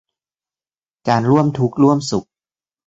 การร่วมทุกข์ร่วมสุข